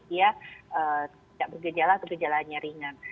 dia tidak bergejala kegejalanya ringan